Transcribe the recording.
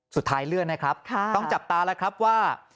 สุดท้ายเลื่อนนะครับต้องจับตาแล้วครับว่า